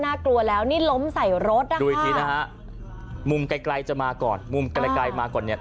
กลัวแล้วนี่ล้มใส่รถนะคะดูอีกทีนะฮะมุมไกลไกลจะมาก่อนมุมไกลไกลมาก่อนเนี่ย